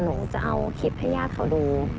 หนูจะเอาคลิปให้ญาติเขาดู